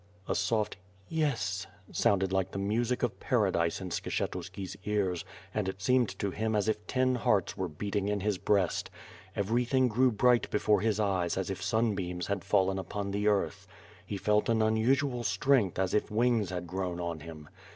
A soft "Yes!" sounded like the music of paradise in Skshe tuski's ears and it seemed to him as if ten hearts were beating in his breast. Everything grew bright before his eyes as if sunbeams had fallen upon the earth. He felt an unusual strength as if wings had grown on him.